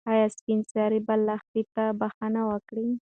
ایا سپین سرې به لښتې ته بښنه وکړي؟